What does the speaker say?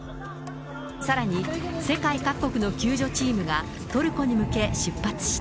さらに、世界各国の救助チームがトルコに向け出発した。